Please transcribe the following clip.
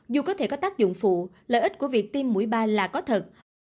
dù có thể có tác dụng phụ lợi ích của việc tiêm mũi ba là có thật